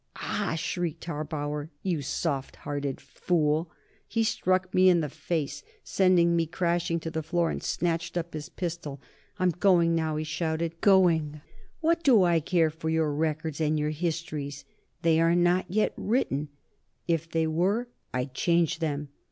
"Ah!" shrieked Harbauer. "You soft hearted fool!" He struck me in the face, sending me crashing to the floor, and snatched up his pistol. "I'm going, now," he shouted. "Going! What do I care for your records and your histories? They are not yet written; if they were I'd change them."